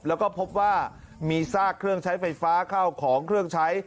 แล้วก็พบว่ามีซากเครื่องใช้ไฟฟ้าเข้าของเครื่องใช้